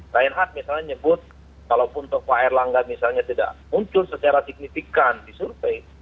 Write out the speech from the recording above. reinhardt misalnya nyebut kalaupun tok paer langga misalnya tidak muncul secara signifikan di survei